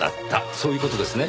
そういう事ですね？